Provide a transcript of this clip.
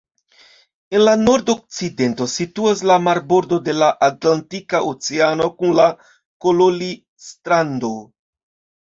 En la Nord-Okcidento situas la marbordo de la Atlantika oceano kun la Kololi-strando.